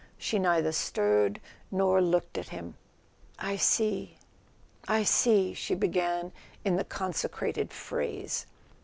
She neither stirred nor looked at him. "I see—I see " she began in the consecrated phrase.